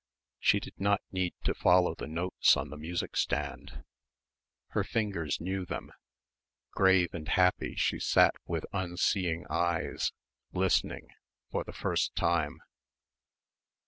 She did not need to follow the notes on the music stand. Her fingers knew them. Grave and happy she sat with unseeing eyes, listening, for the first time.